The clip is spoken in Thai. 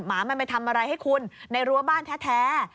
หมามันไปทำอะไรให้คุณในรั้วบ้านแท้